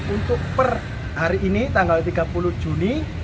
untuk per hari ini tanggal tiga puluh juni